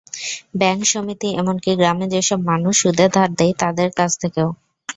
Bank, সমিতি এমনকি গ্রামে যেসব মানুষ সুদে ধার দেয়, তাদের কাছ থেকেও।